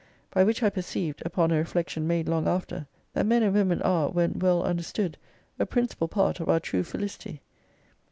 By which I perceived (upon a reflection made long after) that men and women are when well understood a principal part of our true felicity.